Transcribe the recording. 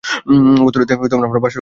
গতরাতে আমরা বাসর করেছি, স্যার!